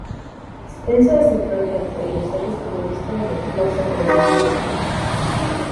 Spencer aceptó en reto y el set estuvo listo en el plazo convenido.